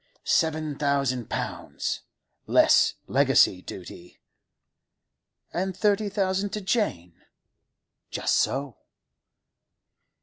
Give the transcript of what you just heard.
'Seven thousand pounds—less legacy duty.' 'And thirty thousand to Jane?' 'Just so.